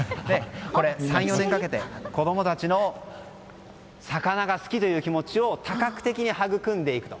これ、３４年かけて子供たちの魚が好きという気持ちを多角的にはぐくんでいくと。